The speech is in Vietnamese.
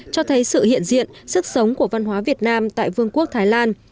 cho thấy sự hiện diện sức sống của văn hóa việt nam tại vương quốc thái lan